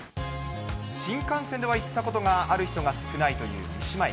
新幹線では行ったことがある人が少ないという三島駅。